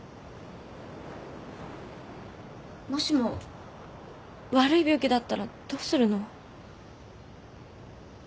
もしも悪い病気だったらどうするの？